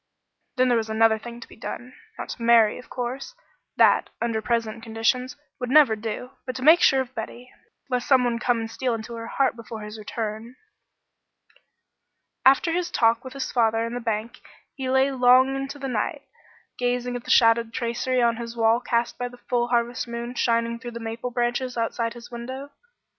Then there was another thing to be done. Not to marry, of course; that, under present conditions, would never do; but to make sure of Betty, lest some one come and steal into her heart before his return. After his talk with his father in the bank he lay long into the night, gazing at the shadowed tracery on his wall cast by the full harvest moon shining through the maple branches outside his window.